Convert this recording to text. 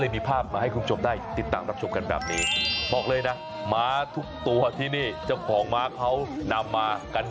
ไม่ได้นัดหมายนะไม่ได้โทรบอกกันก่อน